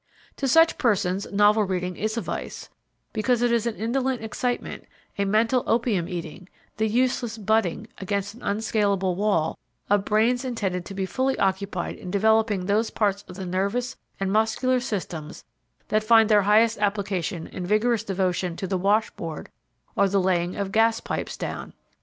To such persons novel reading is a vice, because it is an indolent excitement, a mental opium eating; the useless butting against an unscalable wall of brains intended to be fully occupied in developing those parts of the nervous and muscular systems that find their highest application in vigorous devotion to the washboard or the laying of gas pipes down.